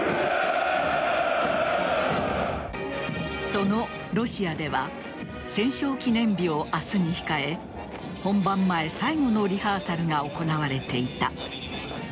そのロシアでは戦勝記念日を明日に控え本番前最後のリハーサルが行われていた。